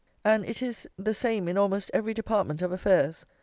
And it is the same in almost every department of affairs.